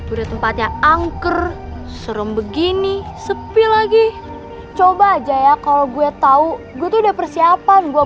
udah tempatnya angker serem begini sepi lagi coba aja ya kalau gue tau gue tuh udah persiapan gue